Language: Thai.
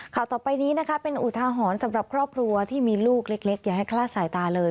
ข่าวต่อไปนี้นะคะเป็นอุทาหรณ์สำหรับครอบครัวที่มีลูกเล็กอย่าให้คลาดสายตาเลย